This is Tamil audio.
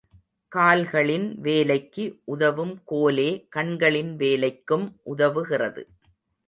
கால்களின் வேலைக்கு உதவும் கோலே கண்களின் வேலைக்கும் உதவுகிறது.